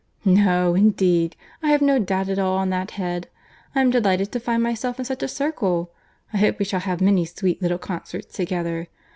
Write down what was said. "No, indeed, I have no doubts at all on that head. I am delighted to find myself in such a circle. I hope we shall have many sweet little concerts together.